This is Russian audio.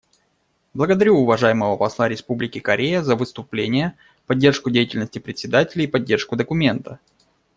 Благодарю уважаемого посла Республики Корея за выступление, поддержку деятельности Председателя и поддержку документа.